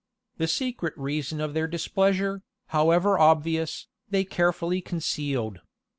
The secret reason of their displeasure, however obvious, they carefully concealed.